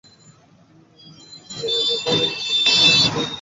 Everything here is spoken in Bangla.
বিজিএমইএ ভবনের নিচতলায় বিকেল থেকে সন্ধ্যা সাতটা পর্যন্ত বৈঠক শেষে সমঝোতা হয়।